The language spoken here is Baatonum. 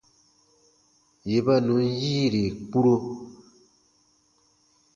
Yè ba nùn yiire kpuro.